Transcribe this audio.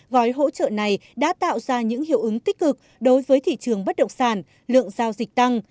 gói hỗ trợ này đã tạo ra những hiệu ứng tích cực đối với thị trường bất động sản lượng giao dịch tăng